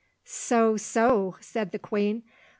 "So, so," said the queen.